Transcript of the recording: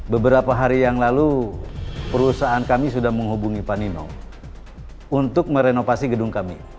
beberapa hari yang lalu perusahaan kami sudah menghubungi pak nino untuk merenovasi gedung kami